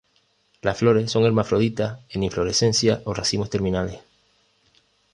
Las flores son hermafroditas en inflorescencias o racimos terminales.